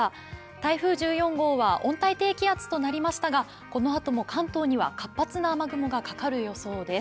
台風１４号は温帯低気圧となりましたが、このあとも関東には活発な雨雲がかかる予想です。